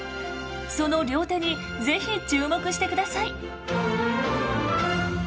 その両手に是非注目してください。